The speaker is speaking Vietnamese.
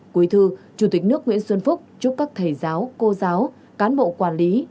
quý thư chủ tịch nước nguyễn xuân phúc chúc các thầy giáo cô giáo cán bộ quản lý